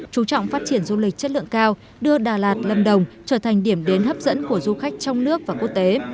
chú trọng phát triển du lịch chất lượng cao đưa đà lạt lâm đồng trở thành điểm đến hấp dẫn của du khách trong nước và quốc tế